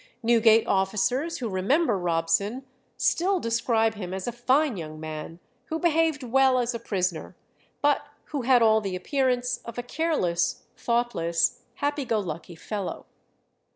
Newgate officers who remember Robson still describe him as a fine young man, who behaved well as a prisoner, but who had all the appearance of a careless, thoughtless, happy go lucky fellow.